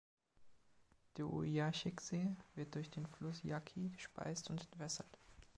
Der Ouiachic-See wird durch den Fluss Yaqui gespeist und entwässert.